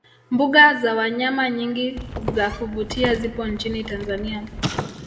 mbuga za wanyama nyingi za kuvutia zipo nchini tanzania